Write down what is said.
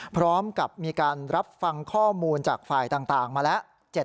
พร้อมกับมีการรับฟังข้อมูลจากฝ่ายต่างมาแล้ว